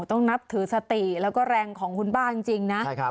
ต้องนับถือสติแล้วก็แรงของคุณป้าจริงนะ